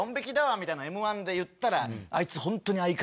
みたいな『Ｍ−１』で言ったら。